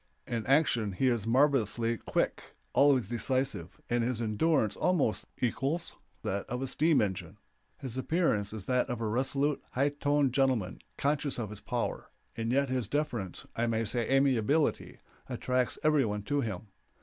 In action he is marvelously quick, always decisive, and his endurance almost equals that of a steam engine. His appearance is that of a resolute, high toned gentleman, conscious of his power, and yet his deference, I may say amiability, attracts every one to him.